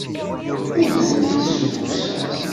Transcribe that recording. Ur tent-id-ssukkuseɣ.